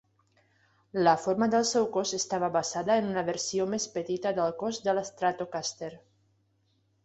La forma del seu cos estava basada en una versió més petita del cos de la Stratocaster.